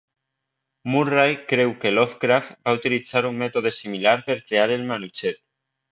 Murray creu que Lovecraft va utilitzar un mètode similar per crear el "Manuxet".